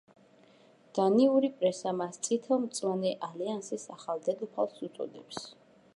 დანიური პრესა მას „წითელ-მწვანე ალიანსის ახალ დედოფალს“ უწოდებს.